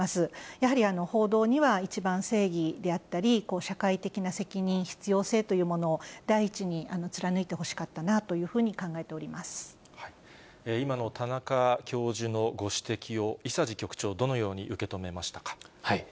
やはり報道には一番正義であったり、社会的な責任、必要性というものを第一に貫いたほしかったなというふうに考えて今の田中教授のご指摘を、伊佐治局長、どのように受け止めましたか？